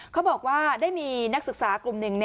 เขาบอกว่าได้มีนักศึกษากลุ่มหนึ่ง